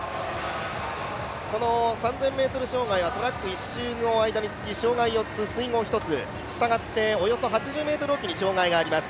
３０００ｍ障害はトラック１周の間につき障害４つ水濠１つ、したがって、およそ８０ｍ置きに障害があります。